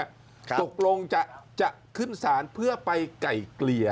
ตกลงจะขึ้นศาลเพื่อไปไก่เกลี่ย